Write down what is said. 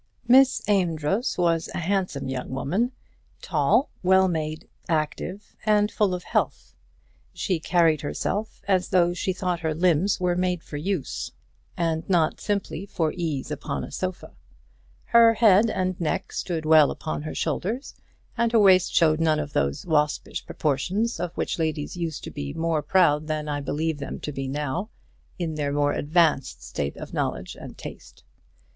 Miss Amedroz was a handsome young woman, tall, well made, active, and full of health. She carried herself as though she thought her limbs were made for use, and not simply for ease upon a sofa. Her head and neck stood well upon her shoulders, and her waist showed none of those waspish proportions of which ladies used to be more proud than I believe them to be now, in their more advanced state of knowledge and taste.